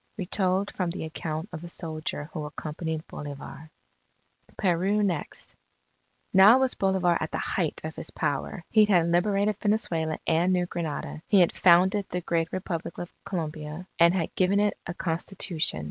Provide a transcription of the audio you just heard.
Retold from the account of a soldier who accompanied Bolivar PERU NEXT Now was Bolivar at the height of his power. He had liberated Venezuela and New Granada. He had founded the Great Republic of Colombia, and had given it a Constitution.